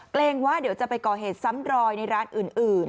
เกรงว่าเดี๋ยวจะไปก่อเหตุซ้ำรอยในร้านอื่น